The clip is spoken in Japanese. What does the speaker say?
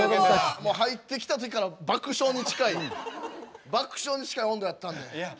もう入ってきた時から爆笑に近い爆笑に近い温度やったんで。